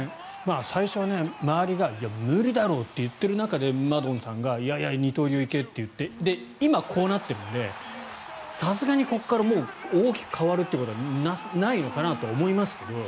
最初は周りが無理だろと言っている中でマドンさんがいやいや、二刀流行けって今こうなっているのでさすがに、ここから大きく変わることはないのかなと思いますけども。